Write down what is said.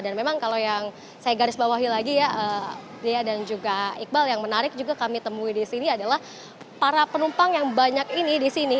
dan memang kalau yang saya garis bawahi lagi ya dia dan juga iqbal yang menarik juga kami temui di sini adalah para penumpang yang banyak ini di sini